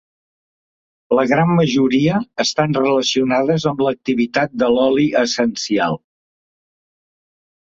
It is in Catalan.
La gran majoria estan relacionades amb l'activitat de l'oli essencial.